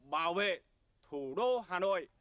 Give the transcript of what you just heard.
bảo vệ thủ đô hà nội